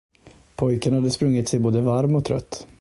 Pojken hade sprungit sig både varm och trött.